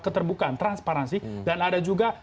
keterbukaan transparansi dan ada juga